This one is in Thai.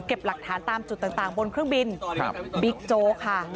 เก็บหลักฐานตามจุดต่างต่างบนเครื่องบินครับบิ๊กโจ๊กค่ะ